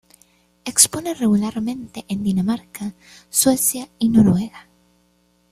Expone regularmente en Dinamarca, Suecia y Noruega.